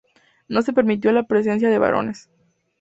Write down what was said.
No se permitió la presencia de varones.